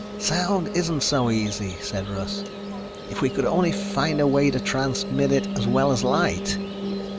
"Sound isn't so easy," said Russ. "If we could only find a way to transmit it as well as light."